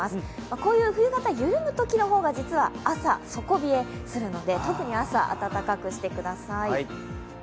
こういう冬型、緩むときの方が実は朝、底冷えするので、特に朝、温かくしてください。